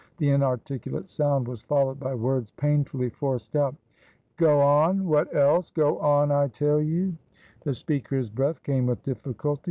The inarticulate sound was followed by words painfully forced out. "Go onwhat else?go on, I tell you!" The speaker's breath came with difficulty.